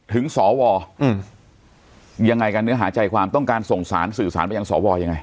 ถึงสวยังไงกันเนื้อหาใจความต้องการส่งสารสื่อสารไปยังสวยังไง